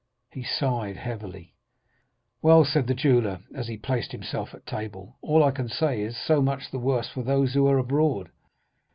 He sighed heavily. "'Well,' said the jeweller, as he placed himself at table, 'all I can say is, so much the worse for those who are abroad.